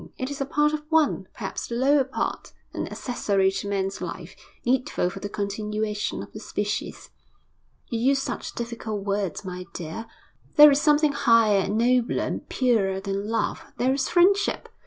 It is a part of one perhaps the lower part an accessory to man's life, needful for the continuation of the species.' 'You use such difficult words, my dear.' 'There is something higher and nobler and purer than love there is friendship.